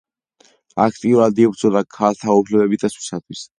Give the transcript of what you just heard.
აქტიურად იბრძოდა ქალთა უფლებების დაცვისათვის.